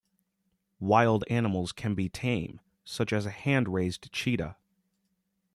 Wild animals can be tame, such as a hand-raised cheetah.